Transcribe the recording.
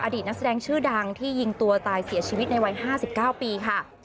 นักแสดงชื่อดังที่ยิงตัวตายเสียชีวิตในวัย๕๙ปีค่ะ